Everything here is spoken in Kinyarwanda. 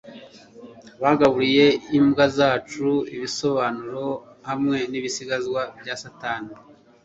bagaburiye imbwa zacu ibisobanuro hamwe nibisigazwa bya sasita